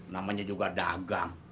namanya juga dagang